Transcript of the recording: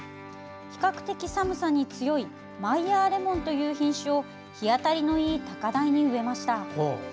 比較的、寒さに強いマイヤーレモンという品種を日当たりのいい高台に植えました。